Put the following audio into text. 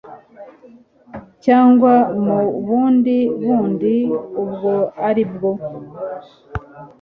cyangwa mu bundi buryo ubwo ari bwo